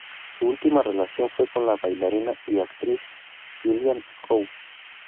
Su última relación fue con la bailarina y actriz Julianne Hough.